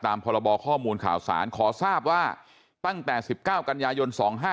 ตามพรบข้อมูลข่าวศาลขอทราบว่าตั้งแต่๑๙กัญยยล๒๕๕๗